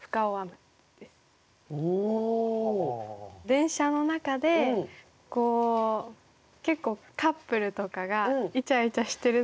電車の中で結構カップルとかがいちゃいちゃしてるのを。